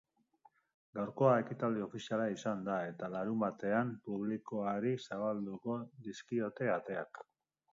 Gaurkoa ekitaldi ofiziala izan da eta larunbatean publikoari zabalduko dizkiote ateak.